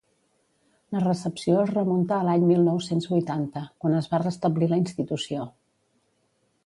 La recepció es remunta a l’any mil nou-cents vuitanta, quan es va restablir la institució.